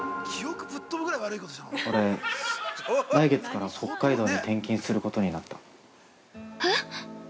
俺、来月から北海道に転勤することになった。